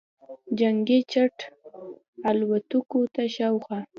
جنګي جټ الوتکو او شاوخوا